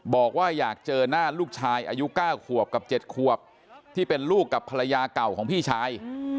บอกว่าอยากเจอหน้าลูกชายอายุ๙ขวบกับ๗ขวบที่เป็นลูกกับภรรยาเก่าของพี่ชาย